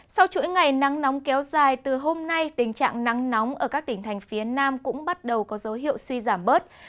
sau chuỗi ngày nắng nóng kéo dài từ hôm nay tình trạng nắng nóng ở các tỉnh thành phía nam cũng bắt đầu có dấu hiệu suy giảm bớt